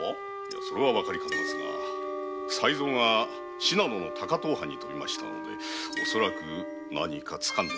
それはわかりかねますが才三が信濃の高遠藩に飛びましたので何かつかんで参りましょう。